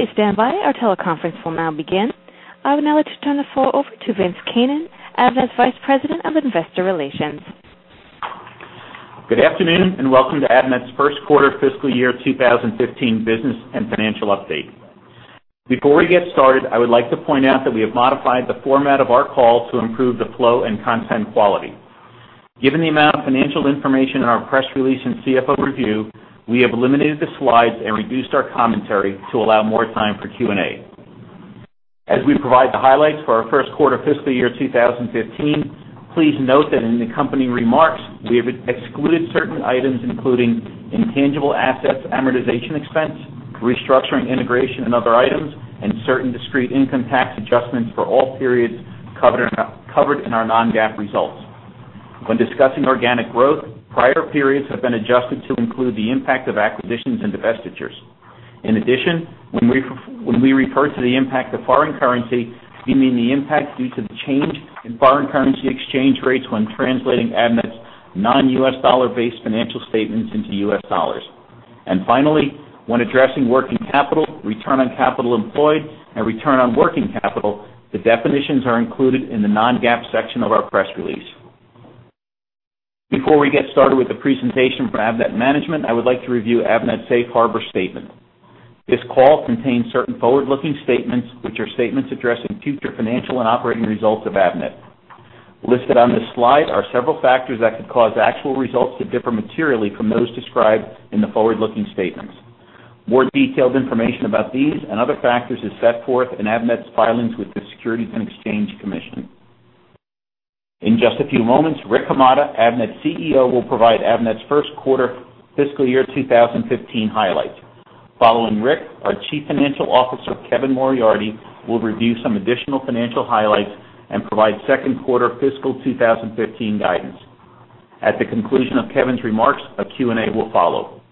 Please stand by. Our teleconference will now begin. I will now like to turn the floor over to Vincent Keenan as Vice President of Investor Relations. Good afternoon and welcome to Avnet's first quarter fiscal year 2015 business and financial update. Before we get started, I would like to point out that we have modified the format of our call to improve the flow and content quality. Given the amount of financial information in our press release and CFO review, we have eliminated the slides and reduced our commentary to allow more time for Q and A. As we provide the highlights for our first quarter fiscal year 2015, please note that in the company remarks we have excluded certain items including intangible assets, amortization expense, restructuring integration, and other items, and certain discrete income tax adjustments for all periods covered in our non-GAAP results. When discussing organic growth, prior periods have been adjusted to include the impact of acquisitions and divestitures. In addition, when we refer to the impact of foreign currency, we mean the impact due to the change in foreign currency exchange rates when translating Avnet's non-U.S. dollar-based financial statements into U.S. dollars. Finally, when addressing working capital, return on capital employed, and return on working capital, the definitions are included in the Non-GAAP section of our press release. Before we get started with the presentation from Avnet management, I would like to review Avnet's safe harbor statement. This call contains certain forward-looking statements, which are statements addressing future financial and operating results of Avnet. Listed on this slide are several factors that could cause actual results to differ materially from those described in the forward-looking statements. More detailed information about these and other factors is set forth in Avnet's filings with the Securities and Exchange Commission. In just a few moments, Rick Hamada, Avnet CEO, will provide Avnet's first quarter fiscal year 2015 highlights. Following Rick, our Chief Financial Officer, Kevin Moriarty, will review some additional financial highlights and provide second quarter fiscal 2015 guidance. At the conclusion of Kevin's remarks, a Q and A will follow.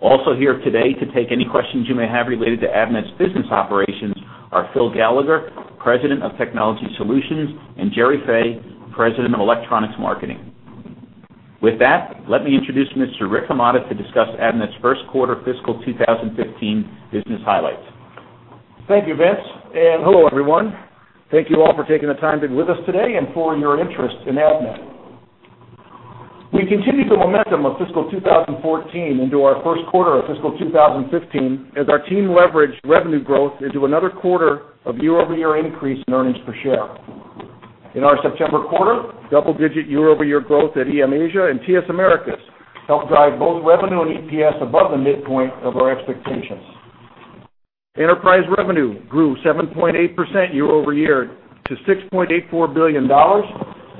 Also here today to take any questions you may have related to Avnet's business operations are Phil Gallagher, President of Technology Solutions, and Gerry Fay, President of Electronics Marketing. With that, let me introduce Mr. Rick Hamada to discuss Avnet's first quarter fiscal 2015 business highlights. Thank you, Vince. And hello, everyone. Thank you all for taking the time to be with us today and for your interest in Avnet. We continued the momentum of fiscal 2014 into our first quarter of fiscal 2015 as our team leveraged revenue growth into another quarter of year-over-year increase in earnings per share. In our September quarter, double-digit year-over-year growth at EM Asia and TS Americas helped drive both revenue and EPS above the midpoint of our expectations. Enterprise revenue grew 7.8% year-over-year to $6.84 billion,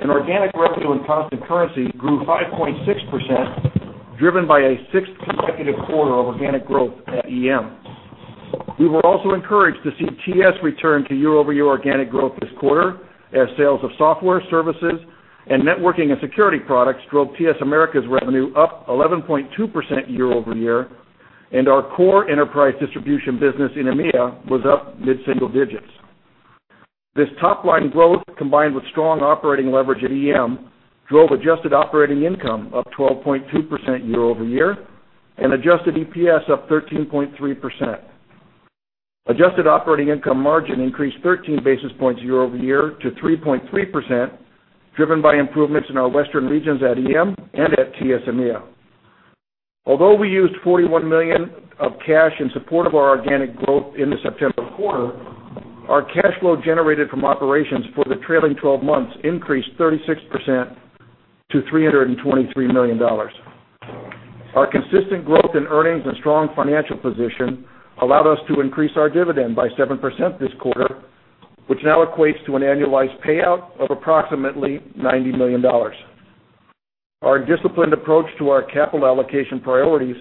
and organic revenue in constant currency grew 5.6%, driven by a sixth consecutive quarter of organic growth at EM. We were also encouraged to see TS return to year-over-year organic growth this quarter as sales of software services and networking and security products drove TS Americas' revenue up 11.2% year-over-year, and our core enterprise distribution business in EMEA was up mid-single digits. This top-line growth, combined with strong operating leverage at EM, drove adjusted operating income up 12.2% year-over-year and adjusted EPS up 13.3%. Adjusted operating income margin increased 13 basis points year-over-year to 3.3%, driven by improvements in our western regions at EM and at TS EMEA. Although we used $41 million of cash in support of our organic growth in the September quarter, our cash flow generated from operations for the trailing 12 months increased 36% to $323 million. Our consistent growth in earnings and strong financial position allowed us to increase our dividend by 7% this quarter, which now equates to an annualized payout of approximately $90 million. Our disciplined approach to our capital allocation priorities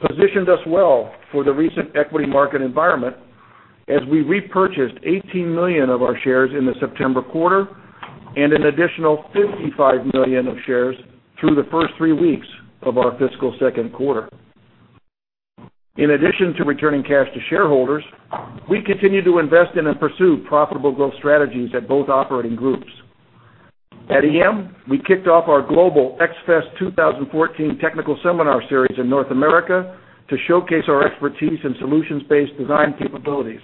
positioned us well for the recent equity market environment as we repurchased 18 million of our shares in the September quarter and an additional 55 million of shares through the first three weeks of our fiscal second quarter. In addition to returning cash to shareholders, we continue to invest in and pursue profitable growth strategies at both operating groups. At EM, we kicked off our global X-fest 2014 technical seminar series in North America to showcase our expertise in solutions-based design capabilities.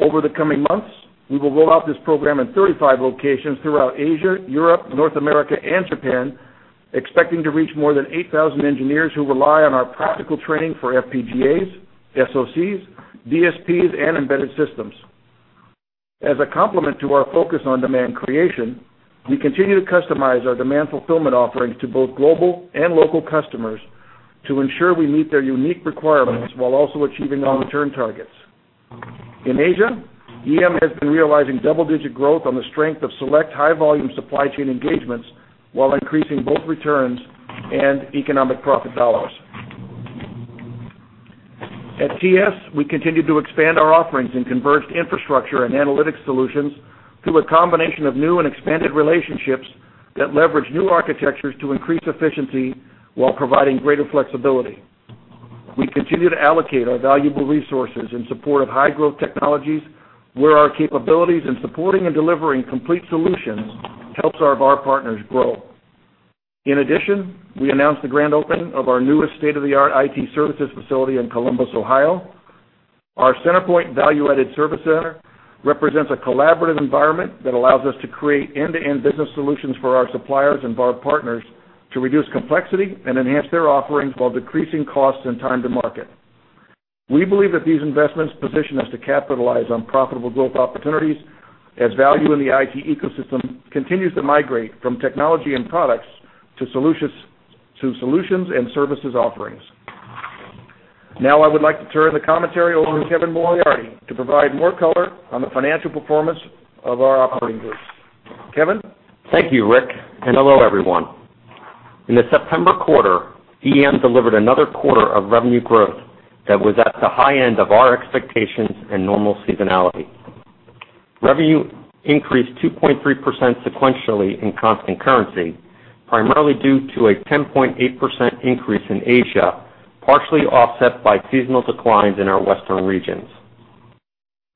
Over the coming months, we will roll out this program in 35 locations throughout Asia, Europe, North America, and Japan, expecting to reach more than 8,000 engineers who rely on our practical training for FPGAs, SoCs, DSPs, and embedded systems. As a complement to our focus on demand creation, we continue to customize our demand fulfillment offerings to both global and local customers to ensure we meet their unique requirements while also achieving our return targets. In Asia, EM has been realizing double-digit growth on the strength of select high-volume supply chain engagements while increasing both returns and economic profit dollars. At TS, we continue to expand our offerings in converged infrastructure and analytic solutions through a combination of new and expanded relationships that leverage new architectures to increase efficiency while providing greater flexibility. We continue to allocate our valuable resources in support of high-growth technologies where our capabilities in supporting and delivering complete solutions help some of our partners grow. In addition, we announced the grand opening of our newest state-of-the-art IT services facility in Columbus, Ohio. Our CenterPoint Value-Added Service Center represents a collaborative environment that allows us to create end-to-end business solutions for our suppliers and VAR partners to reduce complexity and enhance their offerings while decreasing costs and time to market. We believe that these investments position us to capitalize on profitable growth opportunities as value in the IT ecosystem continues to migrate from technology and products to solutions and services offerings. Now, I would like to turn the commentary over to Kevin Moriarty to provide more color on the financial performance of our operating groups. Kevin. Thank you, Rick. Hello, everyone. In the September quarter, EM delivered another quarter of revenue growth that was at the high end of our expectations and normal seasonality. Revenue increased 2.3% sequentially in constant currency, primarily due to a 10.8% increase in Asia, partially offset by seasonal declines in our western regions.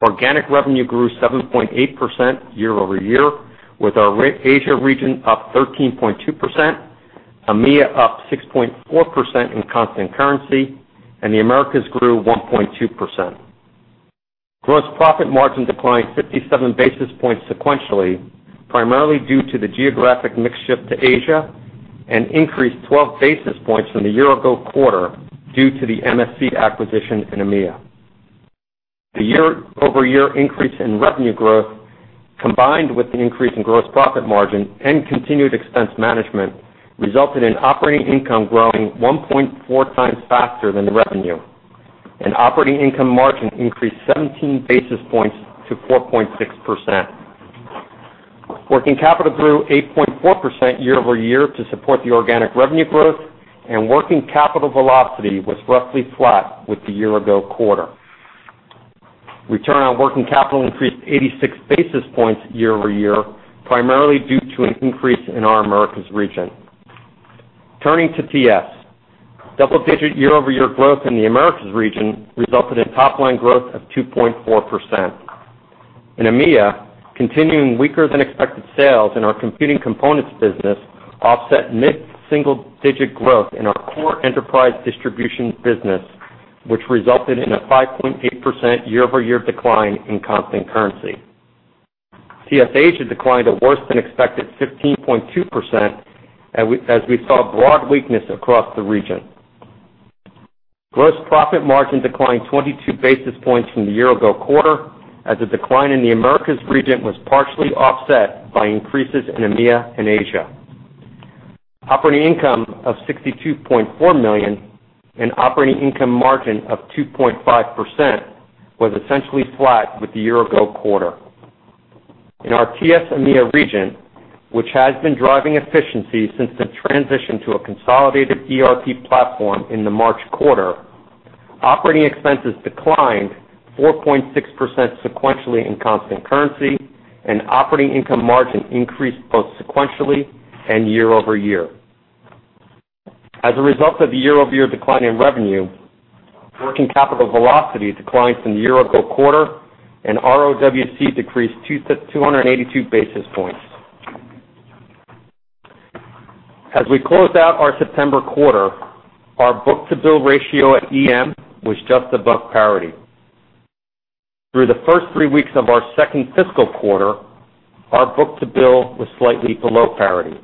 Organic revenue grew 7.8% year-over-year, with our Asia region up 13.2%, EMEA up 6.4% in constant currency, and the Americas grew 1.2%. Gross profit margin declined 57 basis points sequentially, primarily due to the geographic mix shift to Asia, and increased 12 basis points in the year-ago quarter due to the MSC acquisition in EMEA. The year-over-year increase in revenue growth, combined with the increase in gross profit margin and continued expense management, resulted in operating income growing 1.4x faster than revenue. Operating income margin increased 17 basis points to 4.6%. Working capital grew 8.4% year-over-year to support the organic revenue growth, and working capital velocity was roughly flat with the year-ago quarter. Return on working capital increased 86 basis points year-over-year, primarily due to an increase in our Americas region. Turning to TS, double-digit year-over-year growth in the Americas region resulted in top-line growth of 2.4%. In EMEA, continuing weaker-than-expected sales in our computing components business offset mid-single-digit growth in our core enterprise distribution business, which resulted in a 5.8% year-over-year decline in constant currency. TS Asia declined a worse-than-expected 15.2% as we saw broad weakness across the region. Gross profit margin declined 22 basis points from the year-ago quarter as the decline in the Americas region was partially offset by increases in EMEA and Asia. Operating income of $62.4 million and operating income margin of 2.5% was essentially flat with the year-ago quarter. In our TS EMEA region, which has been driving efficiency since the transition to a consolidated ERP platform in the March quarter, operating expenses declined 4.6% sequentially in constant currency, and operating income margin increased both sequentially and year-over-year. As a result of the year-over-year decline in revenue, working capital velocity declined from the year-ago quarter, and ROWC decreased 282 basis points. As we close out our September quarter, our book-to-bill ratio at EMEA was just above parity. Through the first three weeks of our second fiscal quarter, our book-to-bill was slightly below parity.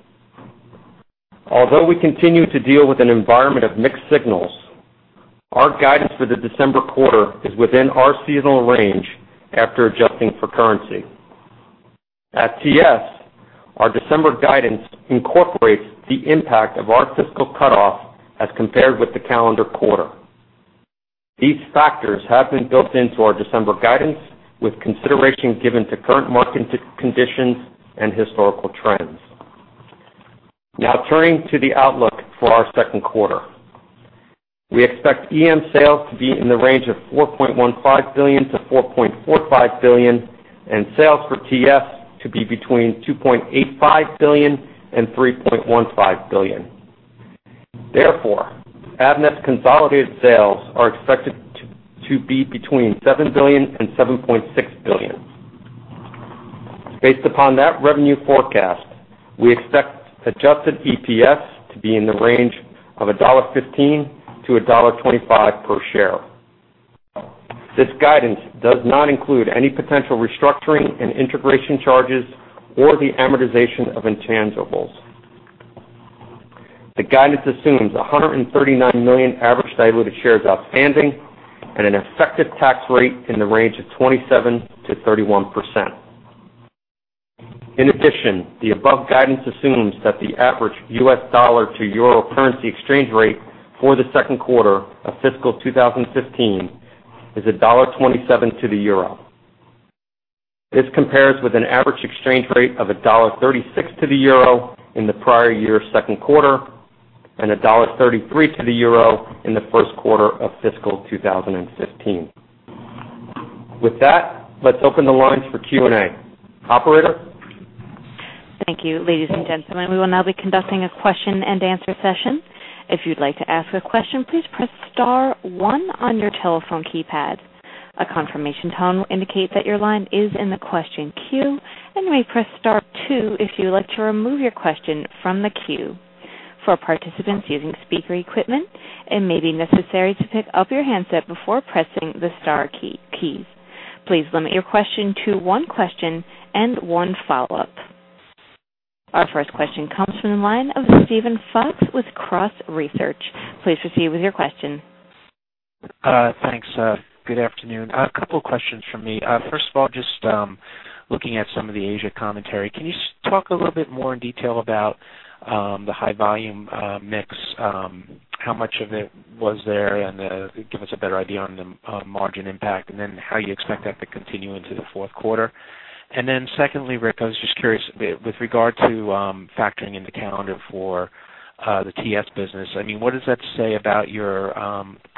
Although we continue to deal with an environment of mixed signals, our guidance for the December quarter is within our seasonal range after adjusting for currency. At TS, our December guidance incorporates the impact of our fiscal cutoff as compared with the calendar quarter. These factors have been built into our December guidance with consideration given to current market conditions and historical trends. Now, turning to the outlook for our second quarter, we expect EM sales to be in the range of $4.15 billion-$4.45 billion and sales for TS to be between $2.85 billion and $3.15 billion. Therefore, Avnet's consolidated sales are expected to be between $7 billion and $7.6 billion. Based upon that revenue forecast, we expect adjusted EPS to be in the range of $1.15-$1.25 per share. This guidance does not include any potential restructuring and integration charges or the amortization of intangibles. The guidance assumes 139 million average diluted shares outstanding and an effective tax rate in the range of 27%-31%. In addition, the above guidance assumes that the average U.S. dollar-to-euro currency exchange rate for the second quarter of fiscal 2015 is $1.27 to the euro. This compares with an average exchange rate of $1.36 to the euro in the prior year's second quarter and $1.33 to the euro in the first quarter of fiscal 2015. With that, let's open the lines for Q and A. Operator. Thank you, ladies and gentlemen. We will now be conducting a question-and-answer session. If you'd like to ask a question, please press star one on your telephone keypad. A confirmation tone will indicate that your line is in the question queue, and you may press star two if you would like to remove your question from the queue. For participants using speaker equipment, it may be necessary to pick up your handset before pressing the star keys. Please limit your question to one question and one follow-up. Our first question comes from the line of Steven Fox with Cross Research. Please proceed with your question. Thanks. Good afternoon. A couple of questions for me. First of all, just looking at some of the Asia commentary, can you talk a little bit more in detail about the high-volume mix, how much of it was there, and give us a better idea on the margin impact, and then how you expect that to continue into the fourth quarter? And then secondly, Rick, I was just curious with regard to factoring in the calendar for the TS business, I mean, what does that say about your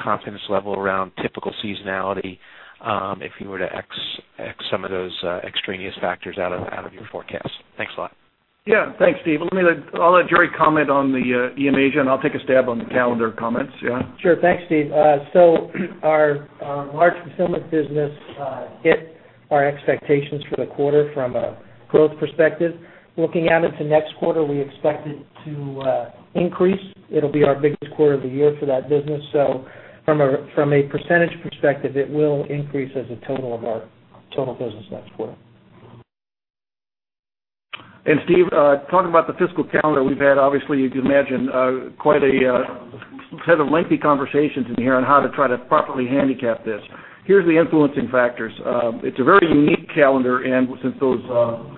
confidence level around typical seasonality if you were to X some of those extraneous factors out of your forecast? Thanks a lot. Yeah. Thanks, Steve. I'll let Gerry comment on the EM Asia, and I'll take a stab on the calendar comments. Yeah. Sure. Thanks, Steve. So our large consumer business hit our expectations for the quarter from a growth perspective. Looking out into next quarter, we expect it to increase. It'll be our biggest quarter of the year for that business. So from a percentage perspective, it will increase as a total of our total business next quarter. Steve, talking about the fiscal calendar we've had, obviously, you can imagine quite a set of lengthy conversations in here on how to try to properly handicap this. Here's the influencing factors. It's a very unique calendar, and since those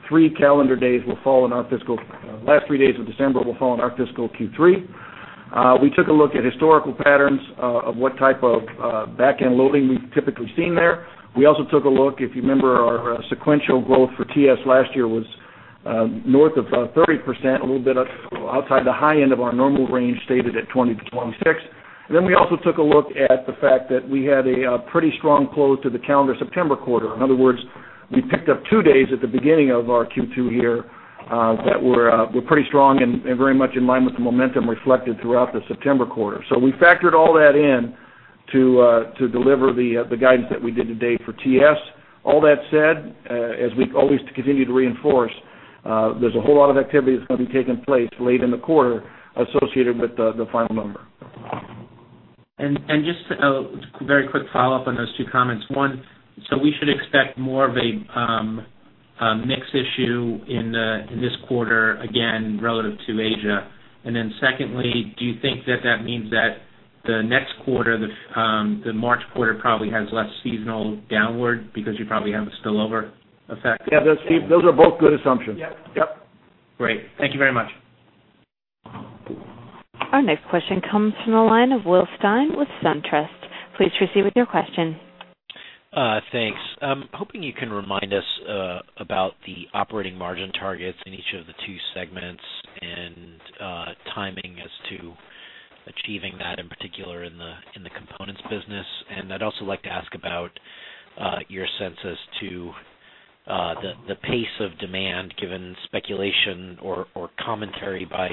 three calendar days will fall in our fiscal last three days of December will fall in our fiscal Q3, we took a look at historical patterns of what type of back-end loading we've typically seen there. We also took a look, if you remember, our sequential growth for TS last year was north of 30%, a little bit outside the high end of our normal range stated at 20%-26%. Then we also took a look at the fact that we had a pretty strong close to the calendar September quarter. In other words, we picked up two days at the beginning of our Q2 here that were pretty strong and very much in line with the momentum reflected throughout the September quarter. So we factored all that in to deliver the guidance that we did today for TS. All that said, as we always continue to reinforce, there's a whole lot of activity that's going to be taking place late in the quarter associated with the final number. And just a very quick follow-up on those two comments. One, so we should expect more of a mix issue in this quarter, again, relative to Asia. And then secondly, do you think that that means that the next quarter, the March quarter, probably has less seasonal downward because you probably have a spillover effect? Yeah. Those are both good assumptions. Yep. Yep. Great. Thank you very much. Our next question comes from the line of Will Stein with SunTrust. Please proceed with your question. Thanks. I'm hoping you can remind us about the operating margin targets in each of the two segments and timing as to achieving that, in particular, in the components business. I'd also like to ask about your sense as to the pace of demand given speculation or commentary by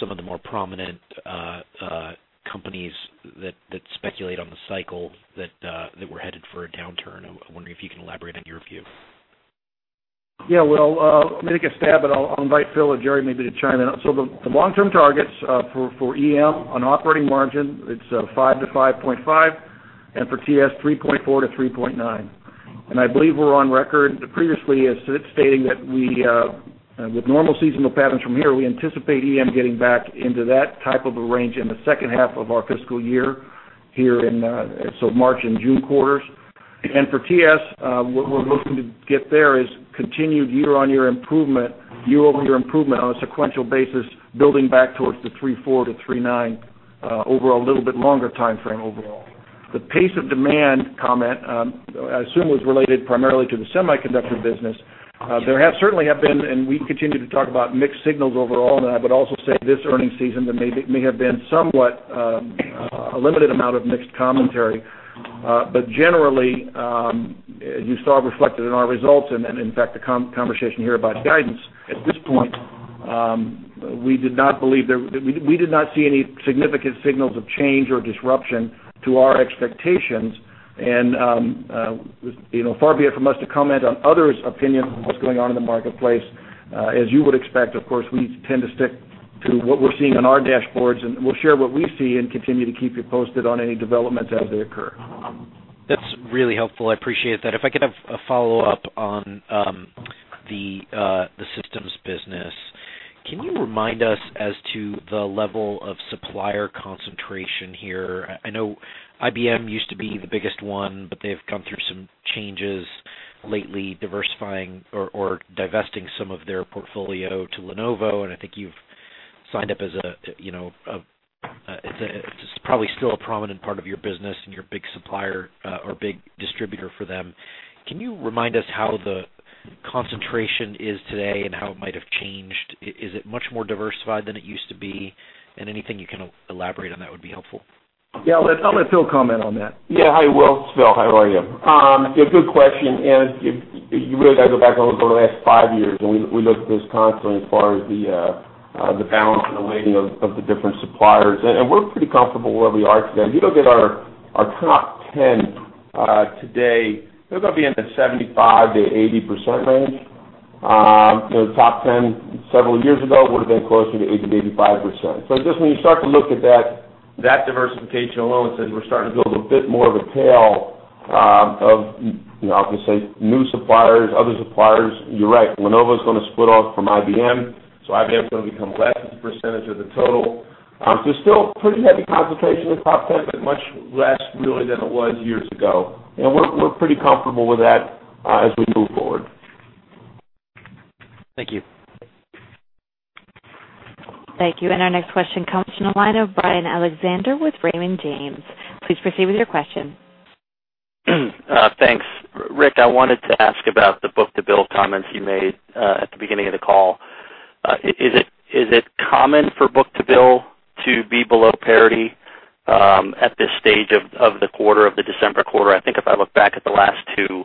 some of the more prominent companies that speculate on the cycle that we're headed for a downturn. I wonder if you can elaborate on your view. Yeah. Well, let me take a stab, and I'll invite Phil and Jerry maybe to chime in. So the long-term targets for EM on operating margin, it's 5%-5.5%, and for TS, 3.4%-3.9%. And I believe we're on record previously as stating that with normal seasonal patterns from here, we anticipate EM getting back into that type of a range in the second half of our fiscal year here in so March and June quarters. And for TS, what we're looking to get there is continued year-over-year improvement, year-over-year improvement on a sequential basis, building back towards the 3.4%-3.9% over a little bit longer timeframe overall. The pace of demand comment, I assume, was related primarily to the semiconductor business. There certainly have been, and we continue to talk about mixed signals overall, and I would also say this earnings season there may have been somewhat a limited amount of mixed commentary. But generally, as you saw reflected in our results and in fact the conversation here about guidance, at this point, we did not believe there. We did not see any significant signals of change or disruption to our expectations. Far be it from us to comment on others' opinions of what's going on in the marketplace. As you would expect, of course, we tend to stick to what we're seeing on our dashboards, and we'll share what we see and continue to keep you posted on any developments as they occur. That's really helpful. I appreciate that. If I could have a follow-up on the systems business, can you remind us as to the level of supplier concentration here? I know IBM used to be the biggest one, but they've gone through some changes lately, diversifying or divesting some of their portfolio to Lenovo, and I think you've signed up as a, it's probably still a prominent part of your business and your big supplier or big distributor for them. Can you remind us how the concentration is today and how it might have changed? Is it much more diversified than it used to be? Anything you can elaborate on that would be helpful. Yeah. I'll let Phil comment on that. Yeah. Hi, Will. Phil, how are you? Yeah. Good question. You really got to go back over the last five years, and we look at this constantly as far as the balance and the weighting of the different suppliers. We're pretty comfortable where we are today. If you look at our top 10 today, they're going to be in the 75%-80% range. The top 10 several years ago would have been closer to 80%-85%. So just when you start to look at that diversification alone, it says we're starting to build a bit more of a tail of, I'll just say, new suppliers, other suppliers. You're right. Lenovo is going to split off from IBM, so IBM is going to become less of a percentage of the total. It's still a pretty heavy concentration in the top 10, but much less really than it was years ago. We're pretty comfortable with that as we move forward. Thank you. Thank you. Our next question comes from the line of Brian Alexander with Raymond James. Please proceed with your question. Thanks. Rick, I wanted to ask about the book-to-bill comments you made at the beginning of the call. Is it common for book-to-bill to be below parity at this stage of the quarter, of the December quarter? I think if I look back at the last two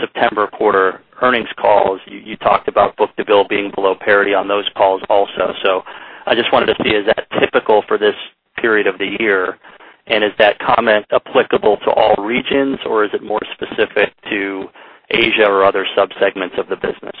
September quarter earnings calls, you talked about book-to-bill being below parity on those calls also. So I just wanted to see, is that typical for this period of the year, and is that comment applicable to all regions, or is it more specific to Asia or other subsegments of the business?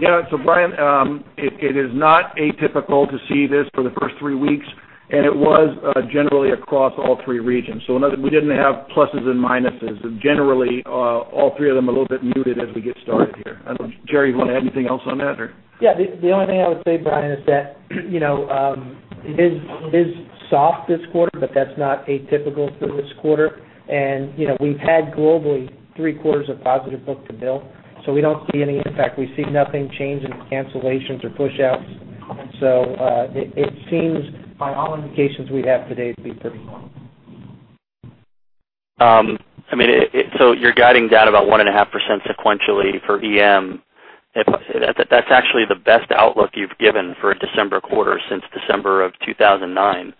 Yeah. So Brian, it is not atypical to see this for the first three weeks, and it was generally across all three regions. So we didn't have pluses and minuses. Generally, all three of them are a little bit muted as we get started here. I don't know. Gerry, do you want to add anything else on that, or? Yeah. The only thing I would say, Brian, is that it is soft this quarter, but that's not atypical for this quarter. And we've had globally three quarters of positive book-to-bill, so we don't see any impact. We see nothing changing in cancellations or push-outs. And so it seems, by all indications we have today, to be pretty normal. I mean, so you're guiding down about 1.5% sequentially for EM. That's actually the best outlook you've given for a December quarter since December of 2009.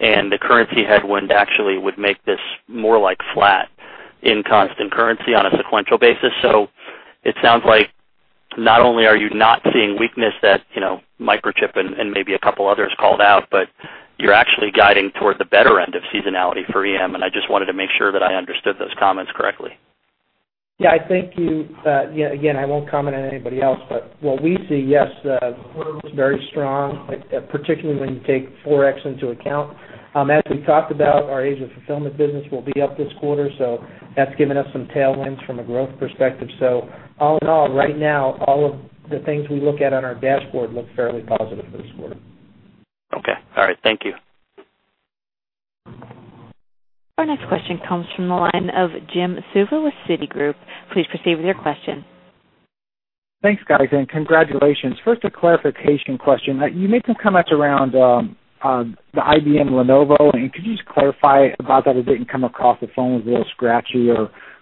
And the currency headwind actually would make this more like flat in constant currency on a sequential basis. So it sounds like not only are you not seeing weakness that Microchip and maybe a couple others called out, but you're actually guiding toward the better end of seasonality for EM. And I just wanted to make sure that I understood those comments correctly. Yeah. I think you again, I won't comment on anybody else, but what we see, yes, the quarter was very strong, particularly when you take 4x into account. As we talked about, our Asia fulfillment business will be up this quarter, so that's given us some tailwinds from a growth perspective. So all in all, right now, all of the things we look at on our dashboard look fairly positive for this quarter. Okay. All right. Thank you. Our next question comes from the line of Jim Suva with Citigroup. Please proceed with your question. Thanks, guys. And congratulations. First, a clarification question. You made some comments around the IBM Lenovo, and could you just clarify about that? It didn't come across the phone with Will Stein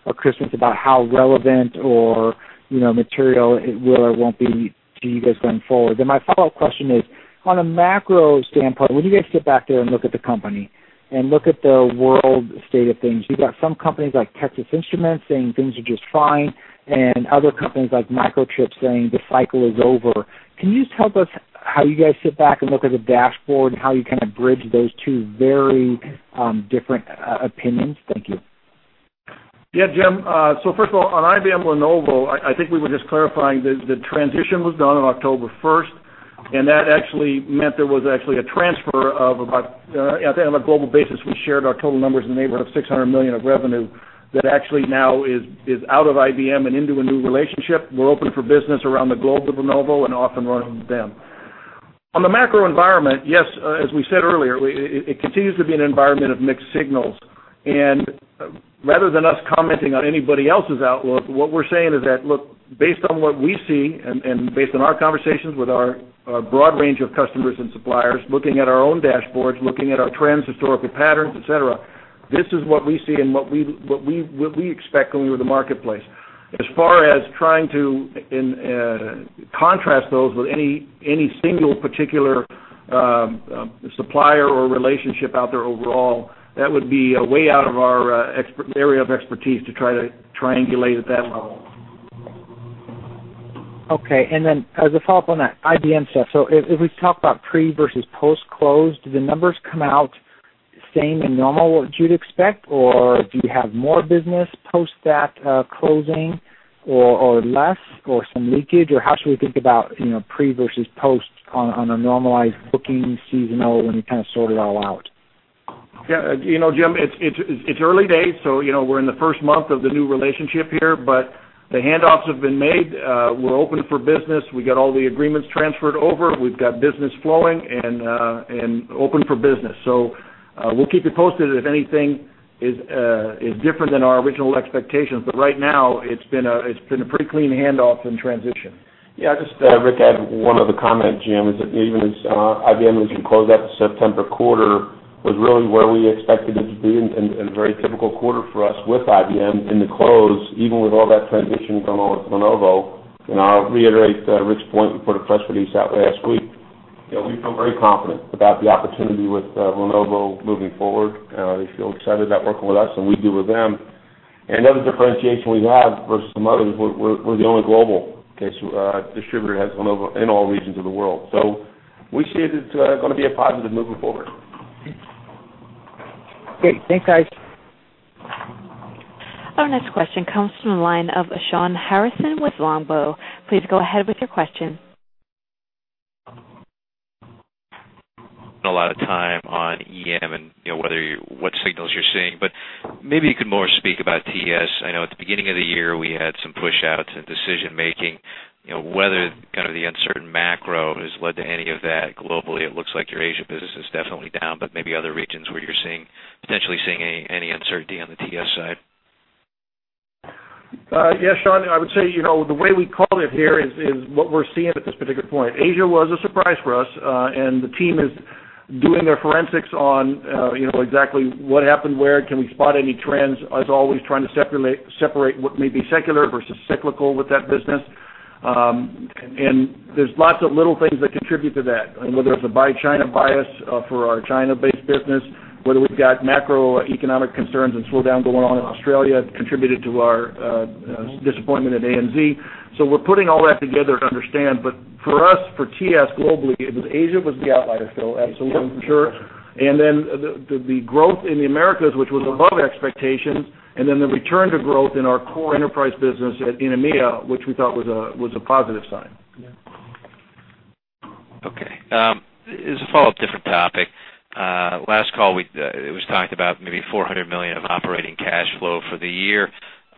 or Chris Breslin about how relevant or material it will or won't be to you guys going forward. And my follow-up question is, on a macro standpoint, when you guys sit back there and look at the company and look at the world state of things, you've got some companies like Texas Instruments saying things are just fine and other companies like Microchip saying the cycle is over. Can you just tell us how you guys sit back and look at the dashboard and how you kind of bridge those two very different opinions? Thank you. Yeah. Jim, so first of all, on IBM Lenovo, I think we were just clarifying that the transition was done on October 1st, and that actually meant there was actually a transfer of about on a global basis. We shared our total numbers in the neighborhood of $600 million of revenue that actually now is out of IBM and into a new relationship. We're open for business around the globe with Lenovo and off and running with them. On the macro environment, yes, as we said earlier, it continues to be an environment of mixed signals. And rather than us commenting on anybody else's outlook, what we're saying is that, look, based on what we see and based on our conversations with our broad range of customers and suppliers, looking at our own dashboards, looking at our trends, historical patterns, et cetera, this is what we see and what we expect going into the marketplace. As far as trying to contrast those with any single particular supplier or relationship out there overall, that would be way out of our area of expertise to try to triangulate at that level. Okay. And then as a follow-up on that IBM stuff, so if we talk about pre versus post-close, do the numbers come out same and normal what you'd expect, or do you have more business post that closing or less or some leakage, or how should we think about pre versus post on a normalized looking seasonal when you kind of sort it all out? Yeah. Jim, it's early days, so we're in the first month of the new relationship here, but the handoffs have been made. We're open for business. We got all the agreements transferred over. We've got business flowing and open for business. So we'll keep you posted if anything is different than our original expectations. But right now, it's been a pretty clean handoff and transition. Yeah. Just Rick, I had one other comment, Jim, is that even as IBM, as we close out the September quarter, was really where we expected it to be and a very typical quarter for us with IBM in the close, even with all that transition going on with Lenovo. And I'll reiterate Rick's point. We put a press release out last week. We feel very confident about the opportunity with Lenovo moving forward. They feel excited about working with us, and we do with them. And another differentiation we have versus some others, we're the only global distributor that has Lenovo in all regions of the world. So we see it as going to be a positive moving forward. Great. Thanks, guys. Our next question comes from the line of Shawn Harrison with Longbow. Please go ahead with your question. A lot of time on EM and what signals you're seeing. Maybe you could more speak about TS. I know at the beginning of the year, we had some push-outs and decision-making. Whether kind of the uncertain macro has led to any of that globally, it looks like your Asia business is definitely down, but maybe other regions where you're potentially seeing any uncertainty on the TS side. Yeah. Shawn, I would say the way we call it here is what we're seeing at this particular point. Asia was a surprise for us, and the team is doing their forensics on exactly what happened where. Can we spot any trends? As always, trying to separate what may be secular versus cyclical with that business. And there's lots of little things that contribute to that, whether it's a Buy China bias for our China-based business, whether we've got macroeconomic concerns and slowdown going on in Australia contributed to our disappointment at ANZ. So we're putting all that together to understand. But for us, for TS globally, it was Asia was the outlier, Phil, absolutely, for sure. And then the growth in the Americas, which was above expectations, and then the return to growth in our core enterprise business in EMEA, which we thought was a positive sign. Okay. As a follow-up, different topic. Last call, it was talked about maybe $400 million of operating cash flow for the year.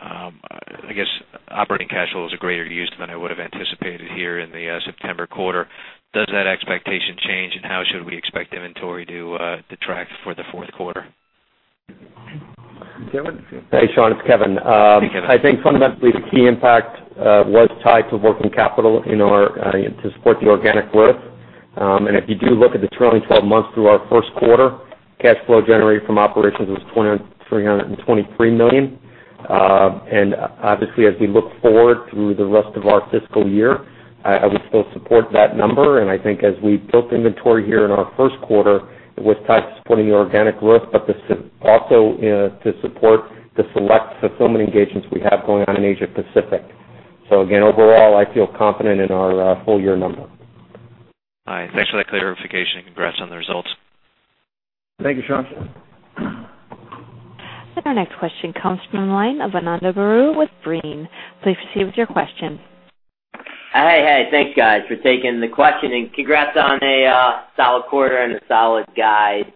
I guess operating cash flow was a greater use than I would have anticipated here in the September quarter. Does that expectation change, and how should we expect inventory to track for the fourth quarter? Hey, Shawn. It's Kevin. I think fundamentally, the key impact was tied to working capital to support the organic growth. And if you do look at the trailing 12 months through our first quarter, cash flow generated from operations was $323 million. And obviously, as we look forward through the rest of our fiscal year, I would still support that number. And I think as we built inventory here in our first quarter, it was tied to supporting the organic growth, but also to support the select fulfillment engagements we have going on in Asia-Pacific. So again, overall, I feel confident in our full year number. All right. Thanks for that clarification. Congrats on the results. Thank you, Shawn. Our next question comes from the line of Ananda Baruah with Brean. Please proceed with your question. Hey, hey. Thanks, guys, for taking the question. And congrats on a solid quarter and a solid guide.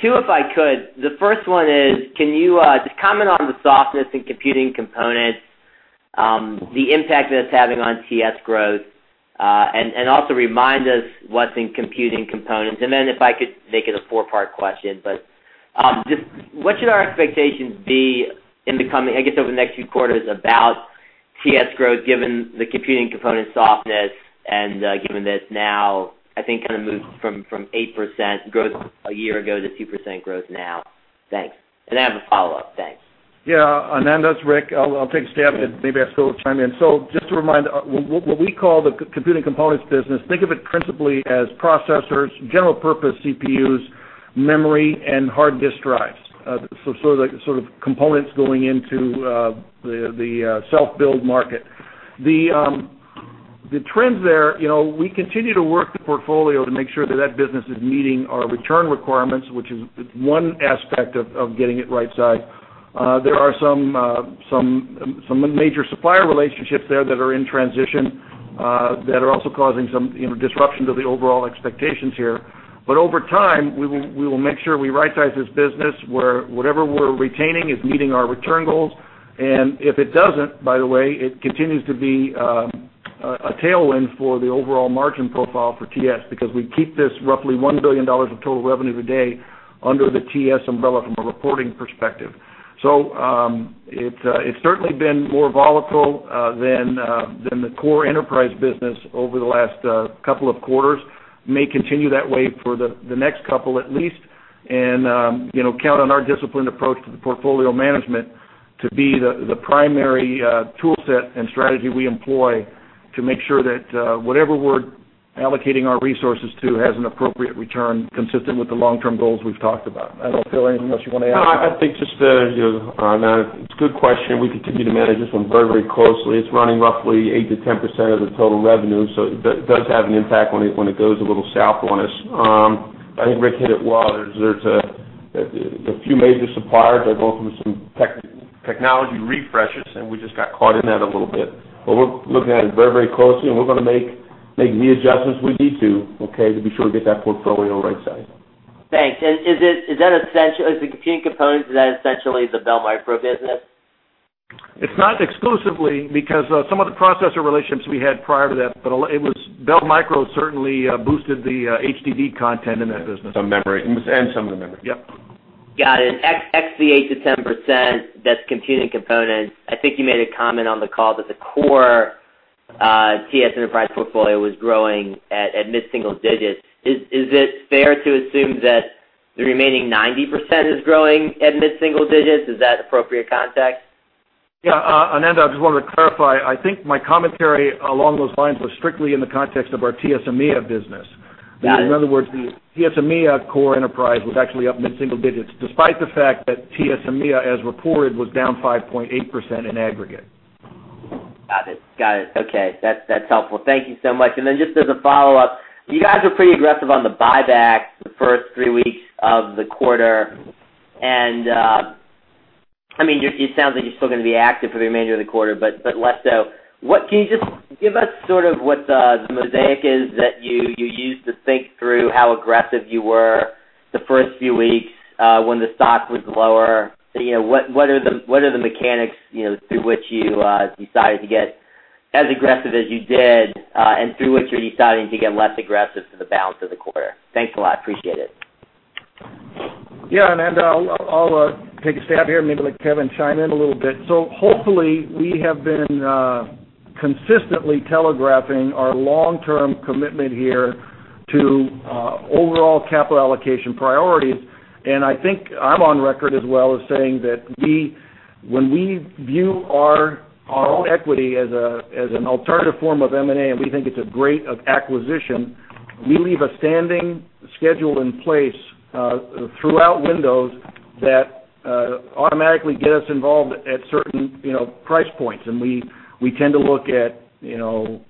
Two, if I could, the first one is, can you just comment on the softness in computing components, the impact that it's having on TS growth, and also remind us what's in computing components? And then if I could make it a four-part question, but just what should our expectations be in the coming, I guess, over the next few quarters about TS growth, given the computing component softness and given that it's now, I think, kind of moved from 8% growth a year ago to 2% growth now? Thanks. And I have a follow-up. Thanks. Yeah. Ananda, it's Rick. I'll take a stab at it. Maybe I'll still chime in. So just to remind, what we call the computing components business, think of it principally as processors, general-purpose CPUs, memory, and hard disk drives. So sort of components going into the self-build market. The trends there, we continue to work the portfolio to make sure that that business is meeting our return requirements, which is one aspect of getting it right-sized. There are some major supplier relationships there that are in transition that are also causing some disruption to the overall expectations here. But over time, we will make sure we right-size this business where whatever we're retaining is meeting our return goals. And if it doesn't, by the way, it continues to be a tailwind for the overall margin profile for TS because we keep this roughly $1 billion of total revenue today under the TS umbrella from a reporting perspective. So it's certainly been more volatile than the core enterprise business over the last couple of quarters. May continue that way for the next couple at least. And count on our disciplined approach to the portfolio management to be the primary toolset and strategy we employ to make sure that whatever we're allocating our resources to has an appropriate return consistent with the long-term goals we've talked about. I don't feel anything else you want to add. No, I think just another good question. We continue to manage this one very, very closely. It's running roughly 8%-10% of the total revenue, so it does have an impact when it goes a little south on us. I think Rick hit it well. There's a few major suppliers that are going through some technology refreshes, and we just got caught in that a little bit. But we're looking at it very, very closely, and we're going to make the adjustments we need to, okay, to be sure we get that portfolio right-sized. Thanks. And is that essentially the computing components? Is that essentially the Bell Micro business? It's not exclusively because some of the processor relationships we had prior to that, but Bell Micro certainly boosted the HDD content in that business. Some memory and some of the memory. Yep. Got it. Excluding the 8%-10%, that's computing components. I think you made a comment on the call that the core TS enterprise portfolio was growing at mid-single digits. Is it fair to assume that the remaining 90% is growing at mid-single digits? Is that appropriate context? Yeah. Ananda, I just wanted to clarify. I think my commentary along those lines was strictly in the context of our TS EMEA business. In other words, the TS EMEA core enterprise was actually up mid-single digits despite the fact that TS EMEA, as reported, was down 5.8% in aggregate. Got it. Got it. Okay. That's helpful. Thank you so much. And then just as a follow-up, you guys were pretty aggressive on the buybacks the first three weeks of the quarter. And I mean, it sounds like you're still going to be active for the remainder of the quarter, but less so. Can you just give us sort of what the mosaic is that you used to think through how aggressive you were the first few weeks when the stock was lower? What are the mechanics through which you decided to get as aggressive as you did and through which you're deciding to get less aggressive for the balance of the quarter? Thanks a lot. Appreciate it. Yeah. And I'll take a stab here and maybe let Kevin chime in a little bit. So hopefully, we have been consistently telegraphing our long-term commitment here to overall capital allocation priorities. And I think I'm on record as well as saying that when we view our own equity as an alternative form of M&A and we think it's a great acquisition, we leave a standing schedule in place throughout windows that automatically get us involved at certain price points. And we tend to look at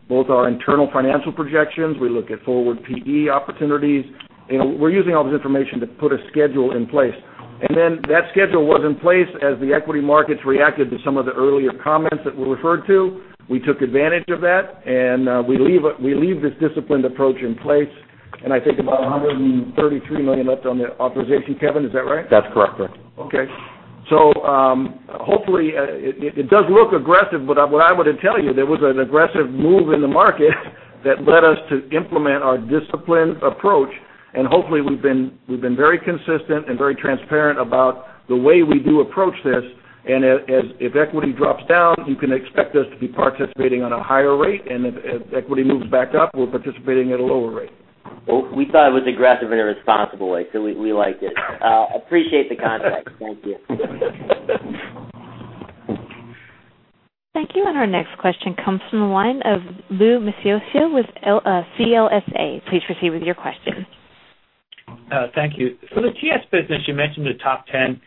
both our internal financial projections. We look at forward PE opportunities. We're using all this information to put a schedule in place. And then that schedule was in place as the equity markets reacted to some of the earlier comments that were referred to. We took advantage of that, and we leave this disciplined approach in place. I think about $133 million left on the authorization, Kevin. Is that right? That's correct. Okay. So hopefully, it does look aggressive, but what I would tell you, there was an aggressive move in the market that led us to implement our disciplined approach. And hopefully, we've been very consistent and very transparent about the way we do approach this. And if equity drops down, you can expect us to be participating on a higher rate. And if equity moves back up, we're participating at a lower rate. We thought it was aggressive in a responsible way, so we liked it. Appreciate the context. Thank you. Thank you. Our next question comes from the line of Louis Miscioscia with CLSA. Please proceed with your question. Thank you. For the TS business, you mentioned the top 10.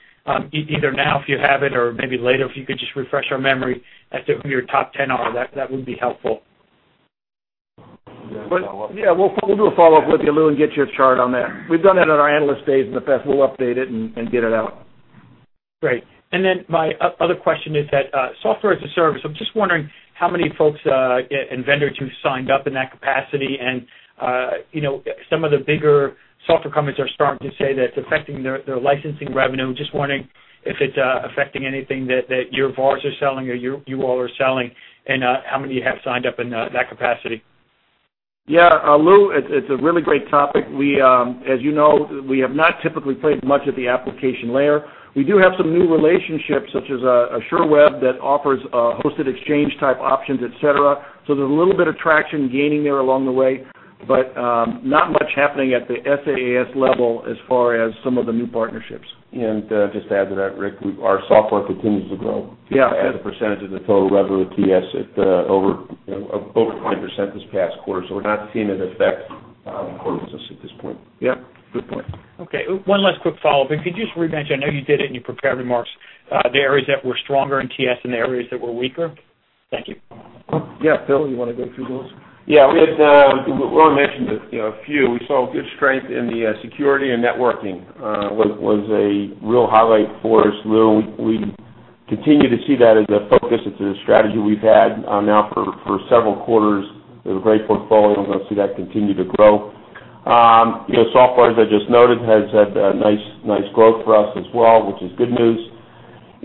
Either now, if you have it, or maybe later, if you could just refresh our memory as to who your top 10 are. That would be helpful. Yeah. We'll do a follow-up with you, Lou, and get you a chart on that. We've done that in our analyst days in the past. We'll update it and get it out. Great. And then my other question is that software as a service. I'm just wondering how many folks and vendors who signed up in that capacity. And some of the bigger software companies are starting to say that it's affecting their licensing revenue. Just wondering if it's affecting anything that your VARs are selling or you all are selling and how many you have signed up in that capacity. Yeah. Lou, it's a really great topic. As you know, we have not typically played much at the application layer. We do have some new relationships such as SherWeb that offers hosted exchange-type options, etc. So there's a little bit of traction gaining there along the way, but not much happening at the SaaS level as far as some of the new partnerships. Just to add to that, Rick, our software continues to grow. Yeah. As a percentage of the total revenue of TS, it's over 0.1% this past quarter. So we're not seeing it affect our core business at this point. Yep. Good point. Okay. One last quick follow-up. If you could just recap, I know you did it and you prepared remarks, the areas that were stronger in TS and the areas that were weaker? Thank you. Yeah. Phil, you want to go through those? Yeah. We already mentioned a few. We saw good strength in the security and networking was a real highlight for us, Lou. We continue to see that as a focus. It's a strategy we've had now for several quarters. We have a great portfolio. We're going to see that continue to grow. Software, as I just noted, has had nice growth for us as well, which is good news.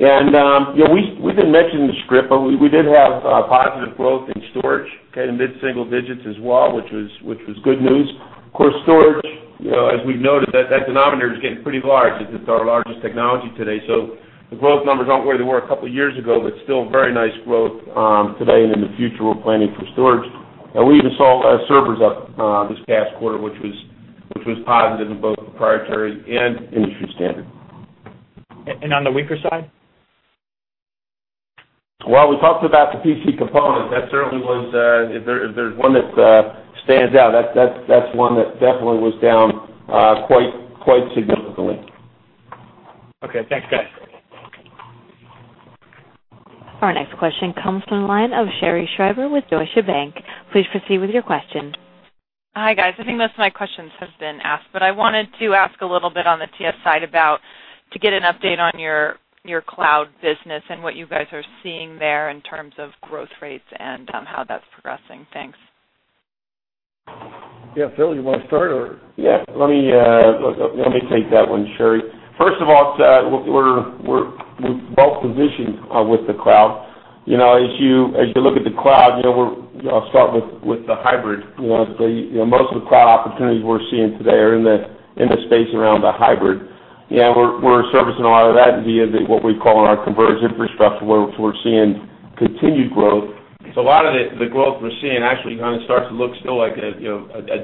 And we didn't mention in the script, but we did have positive growth in storage, okay, in mid-single digits as well, which was good news. Of course, storage, as we've noted, that denominator is getting pretty large. It's our largest technology today. So the growth numbers aren't where they were a couple of years ago, but still very nice growth today and in the future. We're planning for storage. We even saw servers up this past quarter, which was positive in both proprietary and industry standard. On the weaker side? Well, we talked about the PC component. That certainly was, if there's one that stands out, that's one that definitely was down quite significantly. Okay. Thanks, guys. Our next question comes from the line of Sherri Scribner with Deutsche Bank. Please proceed with your question. Hi, guys. I think most of my questions have been asked, but I wanted to ask a little bit on the TS side about to get an update on your cloud business and what you guys are seeing there in terms of growth rates and how that's progressing. Thanks. Yeah. Phil, you want to start or? Yeah. Let me take that one, Sherri. First of all, we're well-positioned with the cloud. As you look at the cloud, I'll start with the hybrid. Most of the cloud opportunities we're seeing today are in the space around the hybrid. And we're servicing a lot of that via what we call our converged infrastructure, where we're seeing continued growth. So a lot of the growth we're seeing actually kind of starts to look still like a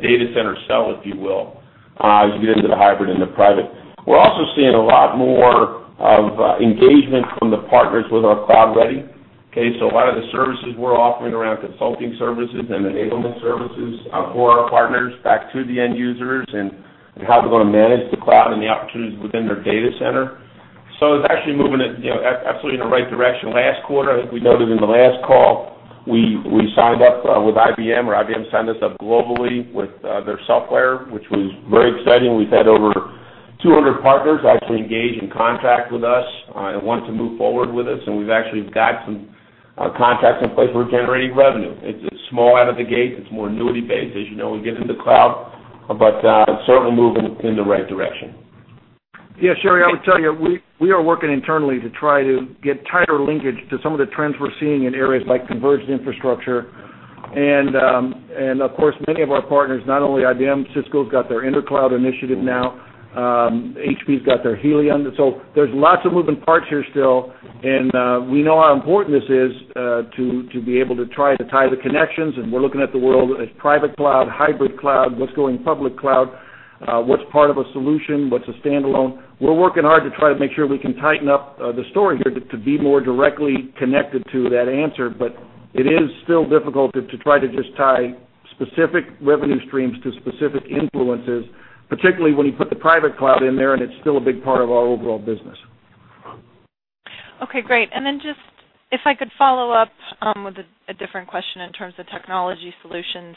data center cell, if you will, as you get into the hybrid and the private. We're also seeing a lot more of engagement from the partners with our cloud ready. Okay? So a lot of the services we're offering around consulting services and enablement services for our partners back to the end users and how they're going to manage the cloud and the opportunities within their data center. So it's actually moving absolutely in the right direction. Last quarter, I think we noted in the last call, we signed up with IBM, or IBM signed us up globally with their software, which was very exciting. We've had over 200 partners actually engage in contract with us and want to move forward with us. And we've actually got some contracts in place for generating revenue. It's small out of the gate. It's more annuity-based, as you know, when you get into the cloud, but certainly moving in the right direction. Yeah. Sherri, I would tell you we are working internally to try to get tighter linkage to some of the trends we're seeing in areas like converged infrastructure. And of course, many of our partners, not only IBM, Cisco's got their Intercloud initiative now. HP's got their Helion. So there's lots of moving parts here still. And we know how important this is to be able to try to tie the connections. And we're looking at the world as private cloud, hybrid cloud, what's going public cloud, what's part of a solution, what's a standalone. We're working hard to try to make sure we can tighten up the story here to be more directly connected to that answer. But it is still difficult to try to just tie specific revenue streams to specific influences, particularly when you put the private cloud in there, and it's still a big part of our overall business. Okay. Great. And then just if I could follow up with a different question in terms of technology solutions.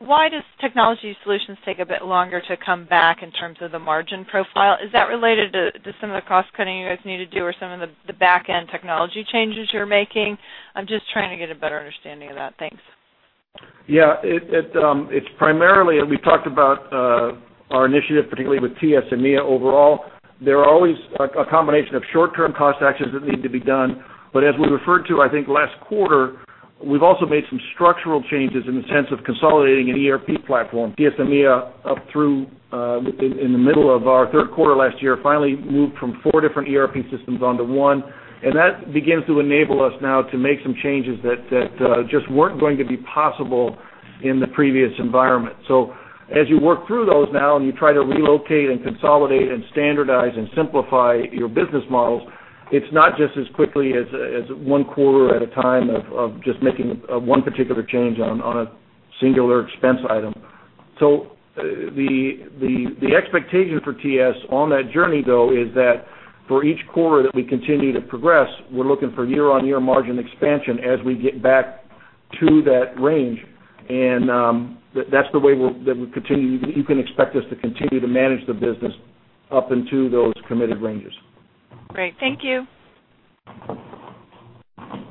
Why does technology solutions take a bit longer to come back in terms of the margin profile? Is that related to some of the cost-cutting you guys need to do or some of the back-end technology changes you're making? I'm just trying to get a better understanding of that. Thanks. Yeah. It's primarily, as we talked about our initiative, particularly with TS EMEA overall, there are always a combination of short-term cost actions that need to be done. But as we referred to, I think last quarter, we've also made some structural changes in the sense of consolidating an ERP platform. TS EMEA up through in the middle of our third quarter last year finally moved from four different ERP systems onto one. And that begins to enable us now to make some changes that just weren't going to be possible in the previous environment. So as you work through those now and you try to relocate and consolidate and standardize and simplify your business models, it's not just as quickly as one quarter at a time of just making one particular change on a singular expense item. The expectation for TS on that journey, though, is that for each quarter that we continue to progress, we're looking for year-on-year margin expansion as we get back to that range. That's the way that you can expect us to continue to manage the business up into those committed ranges. Great. Thank you.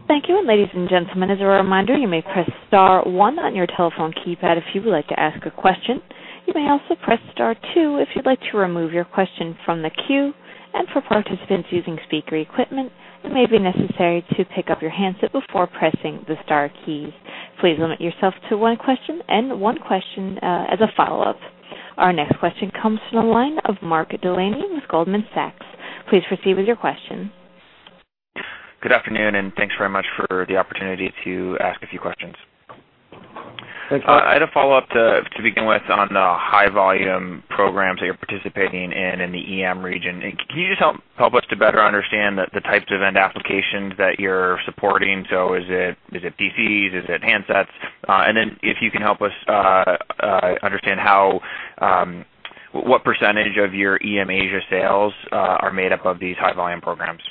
Thank you. And ladies and gentlemen, as a reminder, you may press star one on your telephone keypad if you would like to ask a question. You may also press star two if you'd like to remove your question from the queue. And for participants using speaker equipment, it may be necessary to pick up your handset before pressing the star keys. Please limit yourself to one question and one question as a follow-up. Our next question comes from the line of Mark Delaney with Goldman Sachs. Please proceed with your question. Good afternoon, and thanks very much for the opportunity to ask a few questions. Thanks. I had a follow-up to begin with on the high-volume programs that you're participating in in the EM region. Can you just help us to better understand the types of end applications that you're supporting? So is it PCs? Is it handsets? And then if you can help us understand what percentage of your EM Asia sales are made up of these high-volume programs.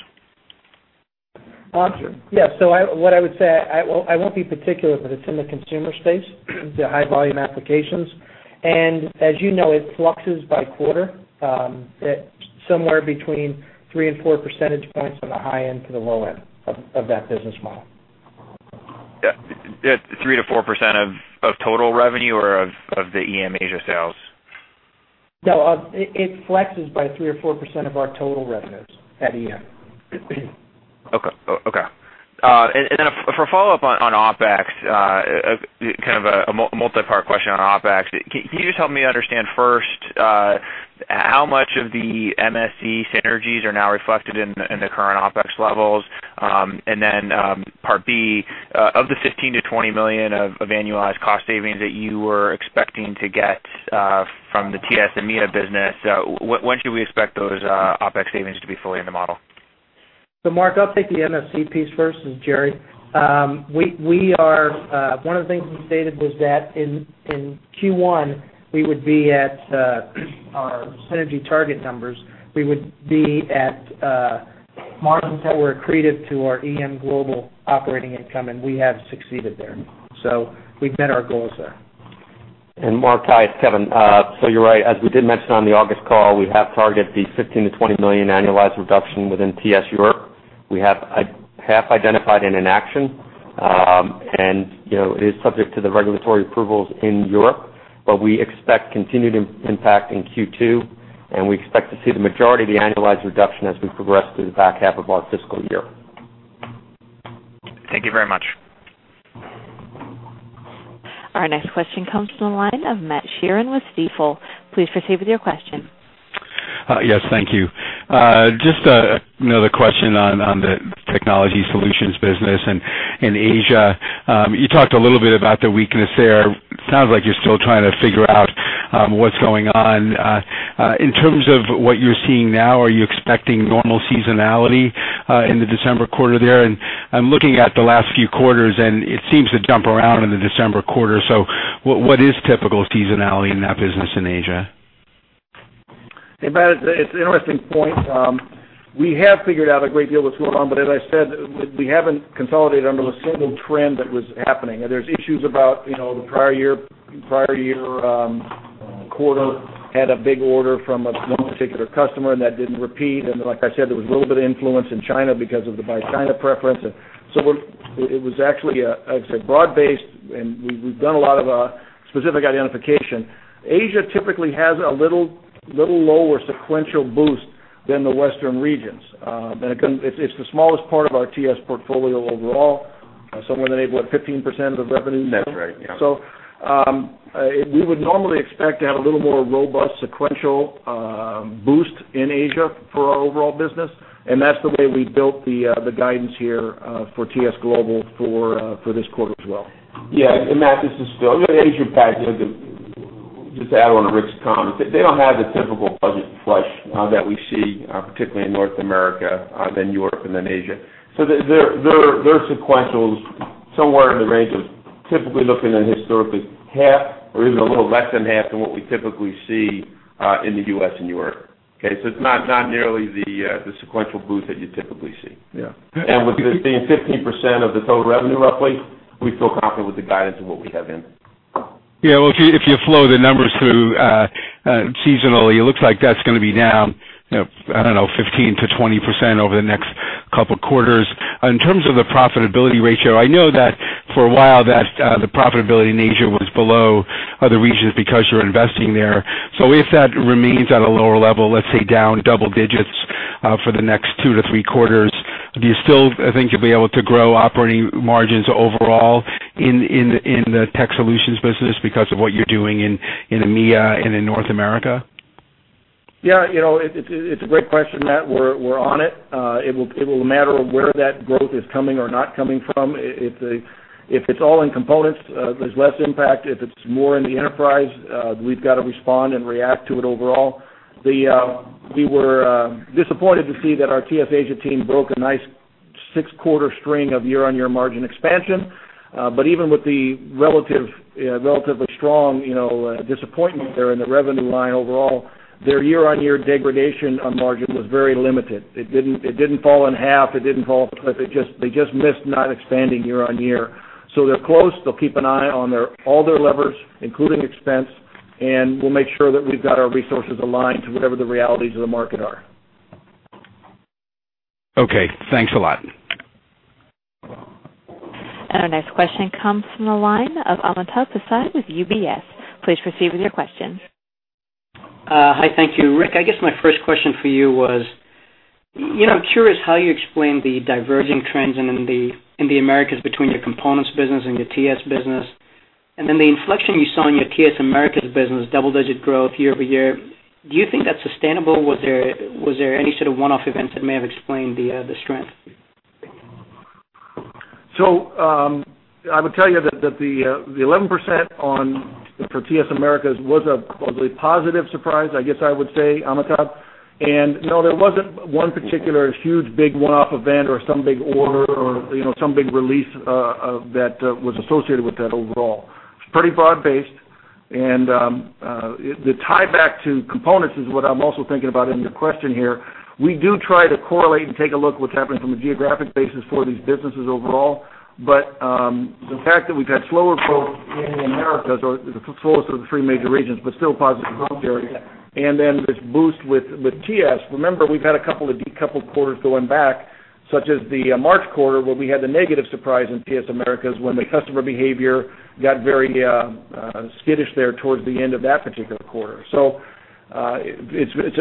Yeah. So what I would say, I won't be particular, but it's in the consumer space, the high-volume applications. And as you know, it fluctuates by quarter somewhere between three and four percentage points on the high end to the low end of that business model. Yeah. 3%-4% of total revenue or of the EM Asia sales? No. It flexes by 3%-4% of our total revenues at EM. Okay. Okay. Then for a follow-up on OpEx, kind of a multi-part question on OpEx, can you just help me understand first how much of the MSC synergies are now reflected in the current OpEx levels? And then part B, of the $15 million-$20 million of annualized cost savings that you were expecting to get from the TS Asia business, when should we expect those OpEx savings to be fully in the model? So Mark, I'll take the MSC piece first, and Gerry. One of the things we stated was that in Q1, we would be at our synergy target numbers. We would be at margins that were accretive to our EM global operating income, and we have succeeded there. So we've met our goals there. Mark, hi, Kevin. So you're right. As we did mention on the August call, we have targeted the $15 million-$20 million annualized reduction within TS Europe. We have half identified in an action, and it is subject to the regulatory approvals in Europe. We expect continued impact in Q2, and we expect to see the majority of the annualized reduction as we progress through the back half of our fiscal year. Thank you very much. Our next question comes from the line of Matt Sheerin with Stifel. Please proceed with your question. Yes. Thank you. Just another question on the technology solutions business. And Asia, you talked a little bit about the weakness there. It sounds like you're still trying to figure out what's going on. In terms of what you're seeing now, are you expecting normal seasonality in the December quarter there? And I'm looking at the last few quarters, and it seems to jump around in the December quarter. So what is typical seasonality in that business in Asia? It's an interesting point. We have figured out a great deal of what's going on, but as I said, we haven't consolidated under a single trend that was happening. There's issues about the prior year. Prior year quarter had a big order from one particular customer, and that didn't repeat. And like I said, there was a little bit of influence in China because of the buy China preference. So it was actually, as I said, broad-based, and we've done a lot of specific identification. Asia typically has a little lower sequential boost than the Western regions. And again, it's the smallest part of our TS portfolio overall, somewhere in the neighborhood of 15% of the revenue. That's right. Yeah. We would normally expect to have a little more robust sequential boost in Asia for our overall business. That's the way we built the guidance here for TS Global for this quarter as well. Yeah. And Matt, this is still Asia Pac. Just to add on to Rick's comment, they don't have the typical budget flush that we see, particularly in North America, then Europe, and then Asia. So their sequential is somewhere in the range of typically looking at historically half or even a little less than half than what we typically see in the U.S. and Europe. Okay? So it's not nearly the sequential boost that you typically see. Yeah. And with it being 15% of the total revenue roughly, we feel confident with the guidance of what we have in. Yeah. Well, if you flow the numbers through seasonally, it looks like that's going to be down, I don't know, 15%-20% over the next couple of quarters. In terms of the profitability ratio, I know that for a while that the profitability in Asia was below other regions because you're investing there. So if that remains at a lower level, let's say down double digits for the next two to three quarters, do you still think you'll be able to grow operating margins overall in the tech solutions business because of what you're doing in EMEA and in North America? Yeah. It's a great question, Matt. We're on it. It will matter where that growth is coming or not coming from. If it's all in components, there's less impact. If it's more in the enterprise, we've got to respond and react to it overall. We were disappointed to see that our TS Asia team broke a nice six-quarter string of year-on-year margin expansion. But even with the relatively strong disappointment there in the revenue line overall, their year-on-year degradation on margin was very limited. It didn't fall in half. It didn't fall. They just missed not expanding year-on-year. So they're close. They'll keep an eye on all their levers, including expense, and we'll make sure that we've got our resources aligned to whatever the realities of the market are. Okay. Thanks a lot. Our next question comes from the line of Amitabh Passi with UBS. Please proceed with your question. Hi. Thank you, Rick. I guess my first question for you was, I'm curious how you explain the diverging trends in the Americas between your components business and your TS business. And then the inflection you saw in your TS Americas business, double-digit growth year-over-year, do you think that's sustainable? Was there any sort of one-off events that may have explained the strength? I would tell you that the 11% for TS Americas was a positive surprise, I guess I would say, Amitabh. No, there wasn't one particular huge big one-off event or some big order or some big release that was associated with that overall. It's pretty broad-based. The tie back to components is what I'm also thinking about in the question here. We do try to correlate and take a look at what's happening from a geographic basis for these businesses overall. But the fact that we've had slower growth in the Americas, or the slowest of the three major regions, but still positive growth areas. And then this boost with TS, remember, we've had a couple of decoupled quarters going back, such as the March quarter where we had the negative surprise in TS Americas when the customer behavior got very skittish there towards the end of that particular quarter. So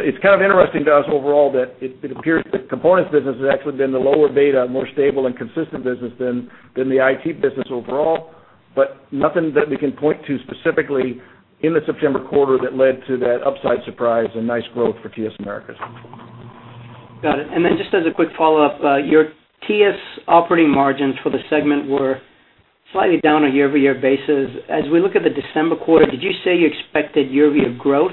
it's kind of interesting to us overall that it appears that components business has actually been the lower beta, more stable, and consistent business than the IT business overall. But nothing that we can point to specifically in the September quarter that led to that upside surprise and nice growth for TS Americas. Got it. And then just as a quick follow-up, your TS operating margins for the segment were slightly down on a year-over-year basis. As we look at the December quarter, did you say you expected year-over-year growth,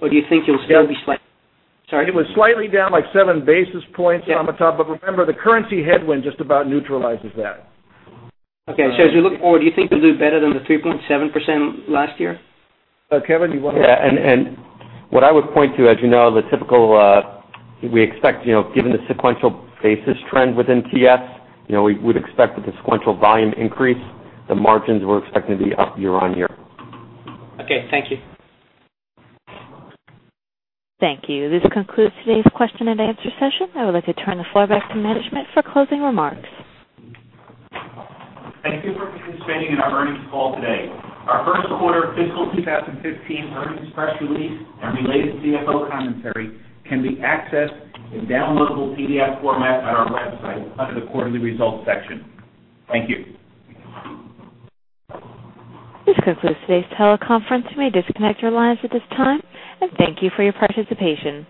or do you think you'll still be slightly? Yeah. Sorry. It was slightly down like 7 basis points, Amitabh. But remember, the currency headwind just about neutralizes that. Okay. So as we look forward, do you think you'll do better than the 3.7% last year? Kevin, do you want to? Yeah. And what I would point to, as you know, the typical we expect, given the sequential basis trend within TS, we would expect that the sequential volume increase, the margins we're expecting to be up year-on-year. Okay. Thank you. Thank you. This concludes today's question and answer session. I would like to turn the floor back to management for closing remarks. Thank you for participating in our earnings call today. Our First Quarter Fiscal 2015 Earnings Press Release and related CFO commentary can be accessed in downloadable PDF format at our website under the quarterly results section. Thank you. This concludes today's teleconference. You may disconnect your lines at this time. Thank you for your participation.